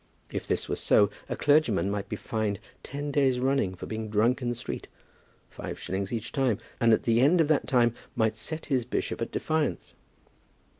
If this were so, a clergyman might be fined ten days running for being drunk in the street, five shillings each time, and at the end of that time might set his bishop at defiance.